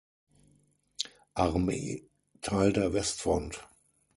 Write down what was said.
Armee Teil der Westfront.